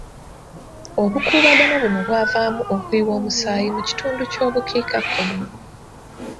Obukuubagano buno bwavaamu okuyiwa omusaayi mu kitundu ky'obukiikakkono.